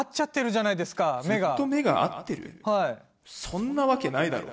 「そんなわけないだろ」。